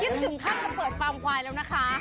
คิดถึงข้างจะเปิดฟาร์มควายแล้วนะฮะ